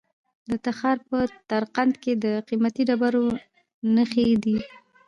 د تخار په درقد کې د قیمتي ډبرو نښې دي.